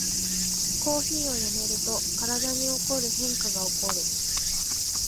コーヒーをやめると体に起こる変化がおこる